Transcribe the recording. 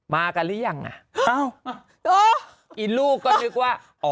มากันหรือยังอ่ะอ้าวอีลูกก็นึกว่าอ๋อ